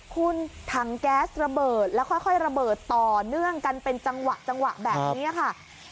คุณถังแก๊สระเบิดแล้วค่อยระเบิดต่อเนื่องกันเป็นจังหวะจังหวะแบบนี้ค่ะ